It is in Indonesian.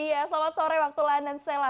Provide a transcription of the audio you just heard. iya selamat sore waktu london sela